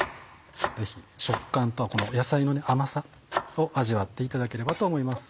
ぜひ食感と野菜の甘さを味わっていただければと思います。